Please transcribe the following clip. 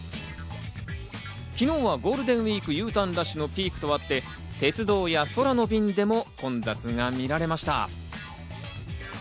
昨日はゴールデンウイーク、Ｕターンラッシュのピークとあって、鉄道や空の便でも混雑が見られました。